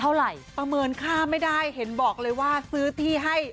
เท่าไหร่เพราะเมินค่าไม่ได้เห็นบอกเลยว่าซื้อที่ให้